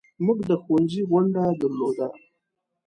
موږ د ښوونځي غونډه درلوده.